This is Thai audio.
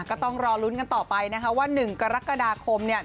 ก็ต้องรอลุ้นกันต่อไปนะคะว่า๑กรกฎาคมเนี่ย